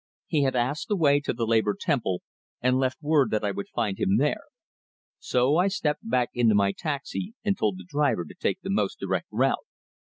He had asked the way to the Labor Temple, and left word that I would find him there. So I stepped back into my taxi, and told the driver to take the most direct route.